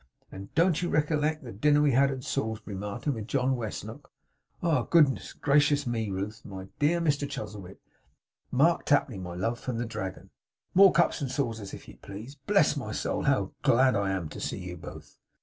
And don't you recollect the dinner we had at Salisbury, Martin, with John Westlock, eh! Good gracious me! Ruth, my dear, Mr Chuzzlewit. Mark Tapley, my love, from the Dragon. More cups and saucers, if you please. Bless my soul, how glad I am to see you both!